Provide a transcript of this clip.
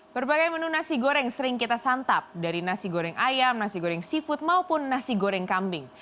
berbagai menu nasi goreng sering kita santap dari nasi goreng ayam nasi goreng seafood maupun nasi goreng kambing